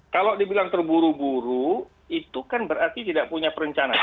kalau dibilang terburu buru itu kan berarti tidak punya perencanaan